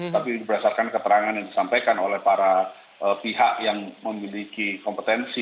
tapi berdasarkan keterangan yang disampaikan oleh para pihak yang memiliki kompetensi